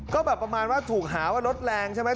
ก็แบบประมาณว่าถูกหาว่ารถแรงใช่ไหม